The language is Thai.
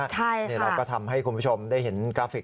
ใช่ค่ะแล้วเราทำให้คุณผู้ชมได้เห็นกราฟิก